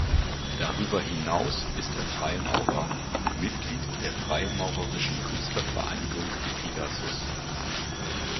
Darüber hinaus ist er Freimaurer und Mitglied der freimaurerischen Künstlervereinigung "Pegasus".